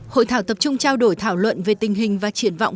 hội thảo tập trung trao đổi thảo luận về tình hình và triển vọng